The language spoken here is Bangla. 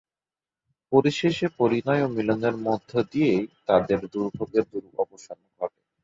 পরিশেষে পরিণয় ও মিলনের মধ্য দিয়ে তাঁদের দুর্ভোগের অবসান ঘটে।